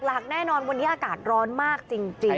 หลักแน่นอนวันนี้อากาศร้อนมากจริง